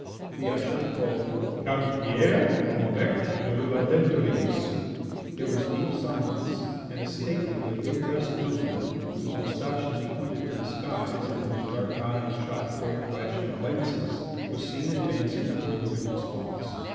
The usher called: "Count Pierre Maubec de la Dentdulynx." There was deep silence, and a stately but ill dressed nobleman, whose moustaches pointed to the skies and whose dark eyes shot forth flashing glances, was seen advancing toward the witness box.